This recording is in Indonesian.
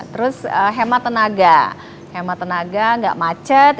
terus hemat tenaga hemat tenaga gak macet